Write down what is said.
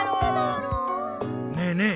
ねえねえ